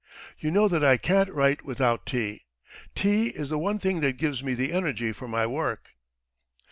... You know that I can't write without tea. ... Tea is the one thing that gives me the energy for my work."